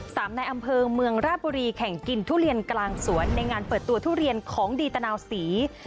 ในอำเภอเมืองราบุรีแข่งกินทุเรียนกลางสวนในงานเปิดตัวทุเรียนของดีตนาวศรี